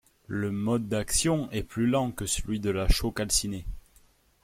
Le mode d'action est plus lent que celui de la chaux calcinée.